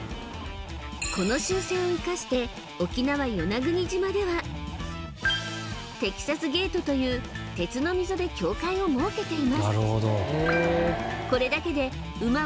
この習性を生かして沖縄・与那国島ではテキサスゲートという鉄の溝で境界を設けています